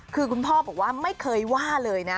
คือคุณพ่อบอกว่าไม่เคยว่าเลยนะ